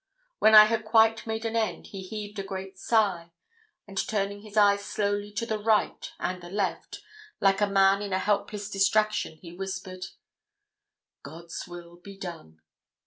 When I had quite made an end, he heaved a great sigh, and turning his eyes slowly to the right and the left, like a man in a helpless distraction, he whispered 'God's will be done.'